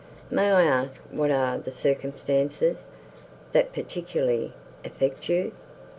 May I ask what are the circumstances, that particularly affect you?"